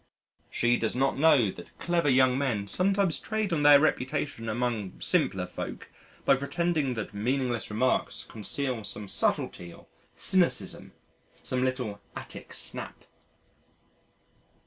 She does not know that clever young men sometimes trade on their reputation among simpler folk by pretending that meaningless remarks conceal some subtlety or cynicism, some little Attic snap.